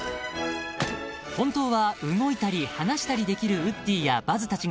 ［本当は動いたり話したりできるウッディやバズたちが］